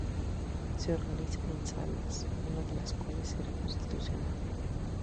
Se organiza en salas, una de las cuales será constitucional.